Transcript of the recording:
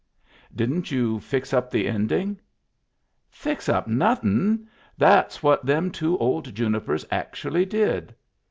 " Didn't you fix up the ending ?" "Fix up nothin'I That's what them two old junipers actually did."